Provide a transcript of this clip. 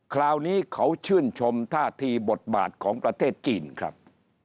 คราวนี้เขาชื่นชมท่าทีบทบาทของประเทศจีนครับ